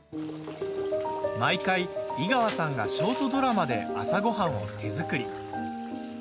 毎回、井川さんがショートドラマで朝ごはんを手作り。